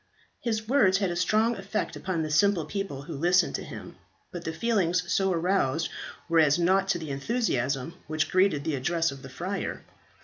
His words had a strong effect upon the simple people who listened to him, but the feelings so aroused were as nought to the enthusiasm which greeted the address of the friar.